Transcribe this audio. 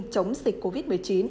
chống dịch covid một mươi chín